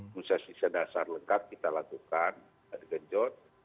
imunisasi sedasar lengkap kita lakukan ada genjot